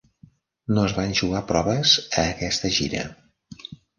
No es van jugar proves a aquesta gira.